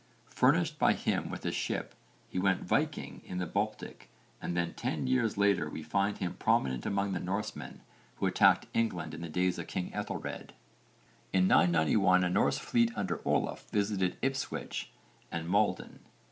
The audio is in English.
Furnished by him with a ship he went 'viking' in the Baltic and then ten years later we find him prominent among the Norsemen who attacked England in the days of king Ethelred. In 991 a Norse fleet under Olaf visited Ipswich and Maldon.